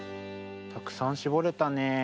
たくさんしぼれたね。